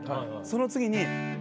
その次に。